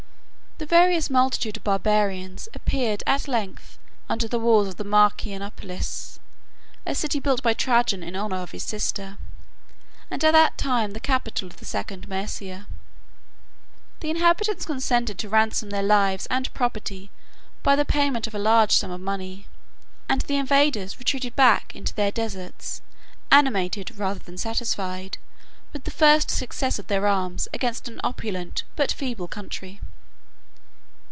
The various multitude of barbarians appeared, at length, under the walls of Marcianopolis, a city built by Trajan in honor of his sister, and at that time the capital of the second Mæsia. 29 The inhabitants consented to ransom their lives and property by the payment of a large sum of money, and the invaders retreated back into their deserts, animated, rather than satisfied, with the first success of their arms against an opulent but feeble country.